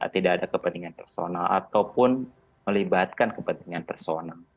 tidak ada kepentingan personal ataupun melibatkan kepentingan personal